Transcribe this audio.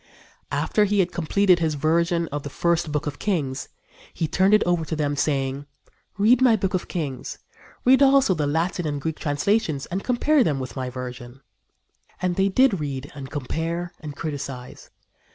After he had completed his version of the first Book of Kings, he turned it over to them, saying: "Read my Book of Kings read also the Latin and Greek translations and compare them with my version." And they did read and compare and criticise.